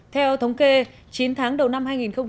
theo thống kê chín tháng đầu năm hai nghìn một mươi bảy